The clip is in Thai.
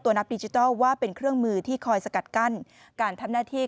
นักดิจิทัลว่าเป็นเครื่องมือที่คอยสกัดกั้นการทำหน้าที่